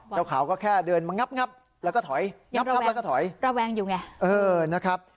เจ้าขาวก็แค่เดินมางับแล้วก็ถอยยังระวังอยู่ไง